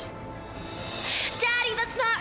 ayah itu tidak benar